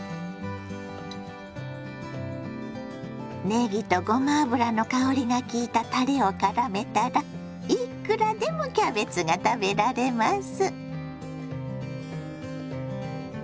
ねぎとごま油の香りが効いたたれをからめたらいくらでもキャベツが食べられます。